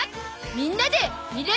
みんなでみれば